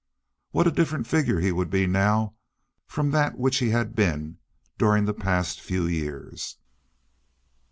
What a different figure he would be now from that which he had been during the past few years!